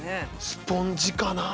スポンジかな？